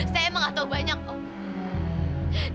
saya emang nggak tahu banyak om